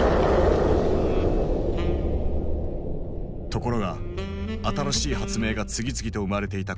ところが新しい発明が次々と生まれていたこの時代。